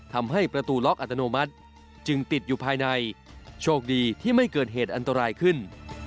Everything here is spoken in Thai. ทำให้ประตูล็อกอัตโนมัติจึงติดอยู่ภายในโชคดีที่ไม่เกิดเหตุอันตรายขึ้น